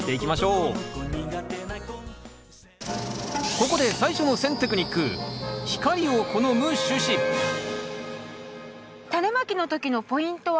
ここで最初の選テクニックタネまきの時のポイントはありますか？